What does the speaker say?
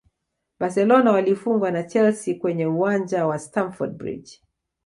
barcelona walifungwana chelsea kwenye uwanja wa stamford bridge